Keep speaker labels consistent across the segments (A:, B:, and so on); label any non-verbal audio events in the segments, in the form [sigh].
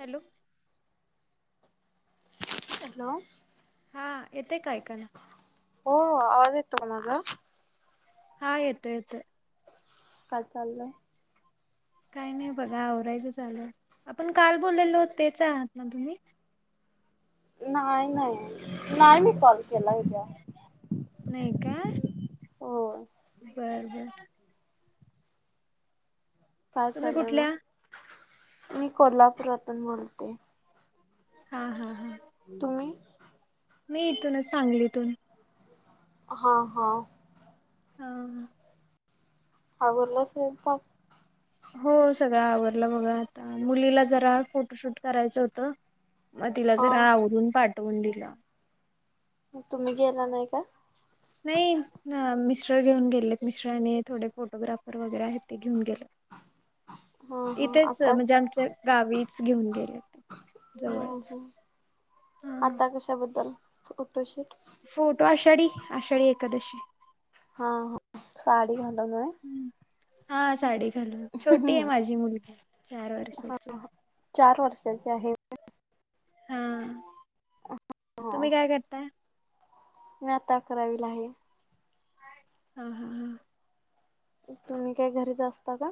A: Hello.
B: Hello.
A: हा येते कायक ना.
B: हो आवाज येत तो माझा.
A: हा येतो येत.
B: काय चाललंय?
A: काही नाही बघा आवरायचं चालूय आपण काल बोललेलोत तेच आहात ना तुम्ही.
B: नाही नाही नाही मी कॉल केला हच्या.
A: नाही का
B: होय
A: बरबर.
B: काय
A: तुम्ही
B: चालय
A: कुठल्या
B: मग मी कोल्हापुरातून बोलते.
A: हा हा हा.
B: तुम्ही.
A: मी इथूनच सांगलीतून.
B: हा हा.
A: ह.
B: आगरलं स्वयंपाक.
A: हो सगळं आवडलं बघ आता मुलीला जरा फोटोशूट करायचं होतं. मग तिला
B: हा
A: जरा आवरुन पाठवून दिलं.
B: तुम्ही गेला नाही का.
A: नाही मिस्ट्र घेऊन गेलेत मिशट्र आणि थोडे फोटोग्राफर वगैरे आहेत ते घेऊन गेले.
B: ह ह.
A: इथेच म्हणजे आमच्या गावीच घेऊन गेले तिथ
B: हम्म
A: जवळच.
B: हम्म
A: हा
B: आता कशाबद्दल फोटोशूट.
A: फोटो आषाढी आषाढी एकादशी.
B: हा हा साडी घालायली व्हय.
A: हम्म हा साडी घालून छोटी आहे
B: होय
A: माझी मुलगी चार वर्षाची.
B: चार वर्षाची आहे.
A: हा
B: हा
A: तुम्ही काय करता?
B: मी आता करावी ला आहे.
A: हा - हा -हा.
B: तुम्ही काय घरीच असता का?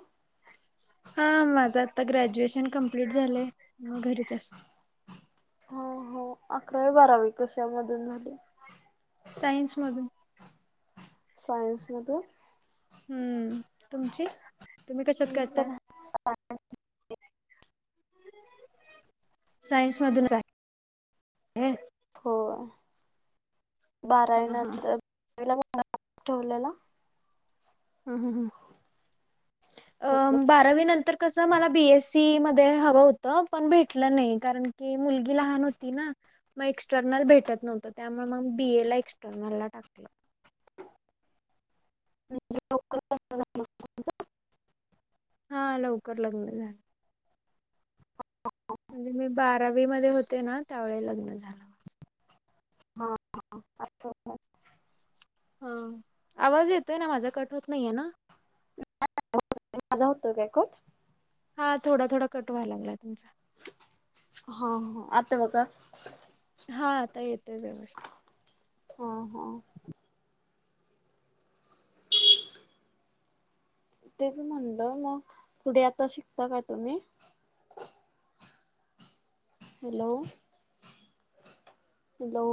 A: हा माझं आता ग्रॅज्युएशन कम्प्लीट झालंय घरीच असते.
B: हो -हो अकरावे बारावी कशामधून झाली?
A: सायन्स मधून.
B: सायन्स मधुन?
A: हम्म. तुमची तुम्ही कशात करता?
B: [inaudible]
A: सायन्स मधून झालीये.
B: हो
A: हा
B: बारावी
A: हा
B: नंतर [unintelligible] ठेवलेला.
A: हम्म -
B: हॅलो
A: हम्म. बारावी नंतर कसं मला बी एस सी मध्ये हवं होतं पण भेटलं नाही कारण की मुलगी लहान होती ना. मग एक्सटर्नल भेटत नव्हतं त्यामुळे मग बी ए ला एक्सटर्नल ला टाकलं.
B: [inaudible]
A: हा लवकर लग्न झालं. म्हणजे मी बारावीमध्ये होते ना त्यावेळी लग्न झालं.
B: हा असं
A: ह आवाज येतोय ना. माझा कट होत नाहीये ना?
B: माझा होतोय का कट?
A: हा थोडा -थोडा कट व्हाय लागला तुमचा.
B: हो - हो आता बघा.
A: हा आता येतोय व्यवस्थित.
B: हां हां. तेच म्हणलं मग पुढे आता शिकता का तुम्ही? हॅलो. हॅलो.